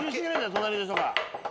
隣の人が。